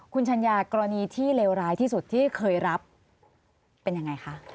คุณชัญญากรณีที่เลวร้ายที่สุดที่เคยรับเป็นยังไงคะ